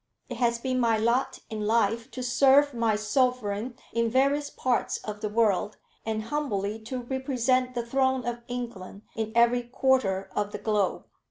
It has been my lot in life to serve my Sovereign in various parts of the world, and humbly to represent the throne of England in every quarter of the globe.